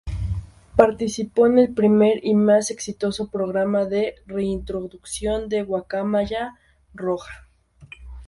Participó en el primer y más exitoso programa de reintroducción de guacamaya roja.